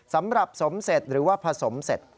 สำหรับสมเสร็จหรือว่าผสมเสร็จ